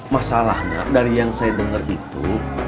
masalahnya dari yang saya dengar itu